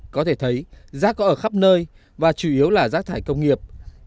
có thể thấy rác có ở khắp nơi và chủ yếu là rác thải công nghiệp